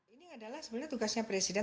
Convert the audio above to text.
ini adalah sebenarnya tugasnya presiden